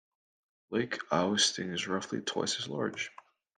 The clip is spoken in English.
Lake Awosting is roughly twice as large.